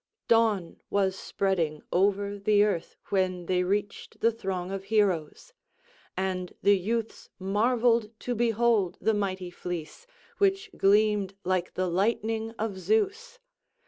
Dawn was spreading over the earth when they reached the throng of heroes; and the youths marvelled to behold the mighty fleece, which gleamed like the lightning of Zeus.